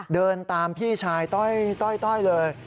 เดินตามพี่ชายต้อยเลย